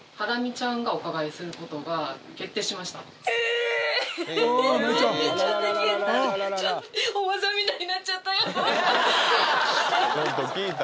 えぇ⁉ちょっと聞いた？